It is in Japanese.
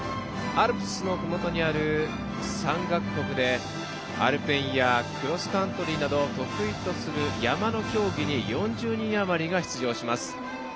アルプスのふもとにある山岳国でアルペンやクロスカントリーなど得意とする山の競技に４０人あまりが出場します。